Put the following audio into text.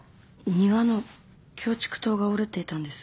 庭のキョウチクトウが折れていたんです。